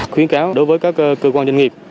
khuyến cáo đối với các cơ quan doanh nghiệp